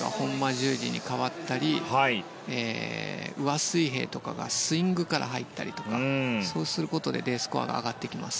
十字に変わったり上水平とかがスイングから入ったりとかそうすることでＤスコアが上がってきます。